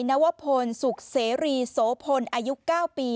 นวพลสุขเสรีโสพลอายุ๙ปี